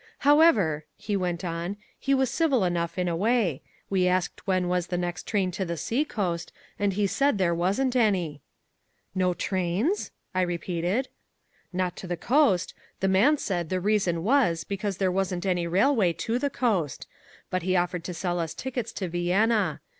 "However," he went on, "he was civil enough in a way. We asked when was the next train to the sea coast, and he said there wasn't any." "No trains?" I repeated. "Not to the coast. The man said the reason was because there wasn't any railway to the coast. But he offered to sell us tickets to Vienna.